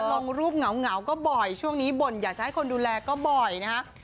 ลงรูปเหงาก็บ่อยช่วงนี้บ่นอยากจะให้คนดูแลก็บ่อยนะฮะ